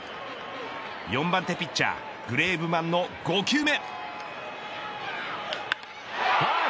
４番手ピッチャーグレーブマンの５球目。